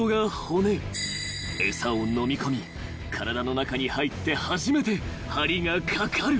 ［餌をのみ込み体の中に入って初めて針が掛かる］